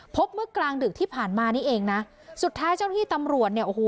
เมื่อกลางดึกที่ผ่านมานี่เองนะสุดท้ายเจ้าที่ตำรวจเนี่ยโอ้โห